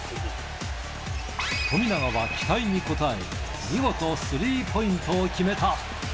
富永は期待に応え、見事、スリーポイントを決めた。